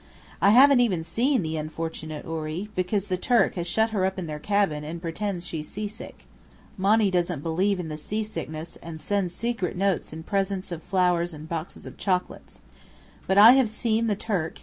I haven't even seen the unfortunate houri, because the Turk has shut her up in their cabin and pretends she's seasick. Monny doesn't believe in the seasickness, and sends secret notes in presents of flowers and boxes of chocolate. But I have seen the Turk.